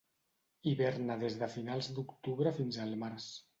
Hiverna des de finals d'octubre fins al març.